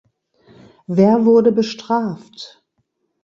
Wer wurde bestraft?